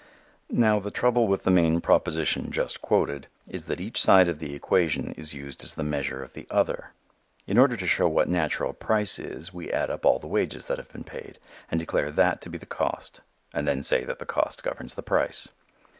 Now the trouble with the main proposition just quoted is that each side of the equation is used as the measure of the other. In order to show what natural price is, we add up all the wages that have been paid, and declare that to be the cost and then say that the cost governs the price.